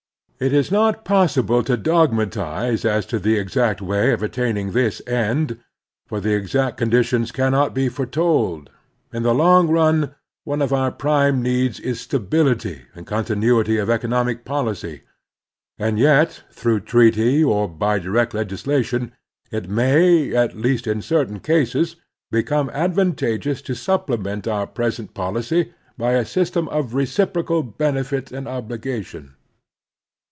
It is not possible to dogmatize as to the exact way of attaining this end, for the exact conditions can not be foretold. In the long run, one of our prime needs is stability and continuity of economic policy ; and yet, through treaty or by direct legis lation, it may, at least in certain cases, become advantageous to supplement our present policy by a system of reciprocal benefit and obliga tion.